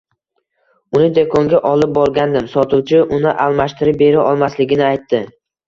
Uni do‘konga olib borgandim sotuvchi uni almashtirib bera olmasligini aytdi.